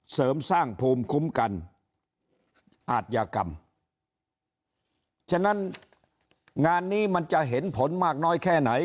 เสริมสร้างภูมิคุ้มกันอาทยากรรมฉะนั้นงานนี้มันจะเห็นผลมากน้อยแค่ไหน